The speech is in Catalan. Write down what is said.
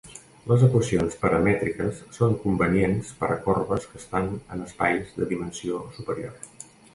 Les equacions paramètriques són convenients per a corbes que estan en espais de dimensió superior.